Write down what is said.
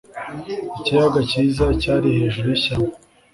Ikiyaga cyiza cyari hejuru yishyamba.